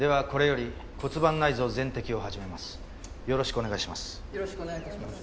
よろしくお願いします。